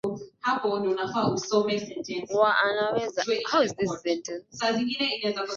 wa anaweza kuachiliwa kwa dhamana kwa madai kwamba alijiunga na kundi la